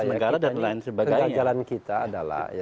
kegagalan kita adalah